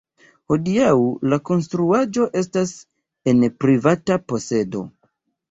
Hodiaŭ La konstruaĵo estas en privata posedo.